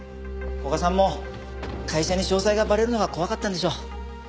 古賀さんも会社に詳細がバレるのが怖かったんでしょう。